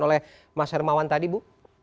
oleh mas hermawan tadi bu